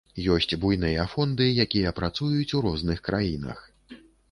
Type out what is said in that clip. Ёсць буйныя фонды, якія працуюць у розных краінах.